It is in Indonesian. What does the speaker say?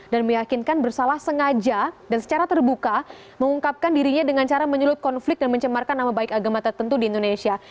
dan meyakinkan bersalah sengaja dan secara terbuka mengungkapkan dirinya dengan cara menyulut konflik dan mencemarkan nama baik agama tertentu di indonesia